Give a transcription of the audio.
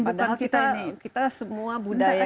padahal kita semua budaya